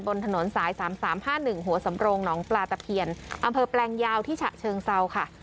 บนถนนสาย๓๓๕๑หัวสำโรงหนองปลาตะเพียนอำเภอแปลงยาวที่ฉะเชิงเซาค่ะ